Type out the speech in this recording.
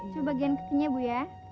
coba bagian kakinya bu ya